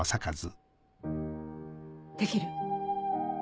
できる？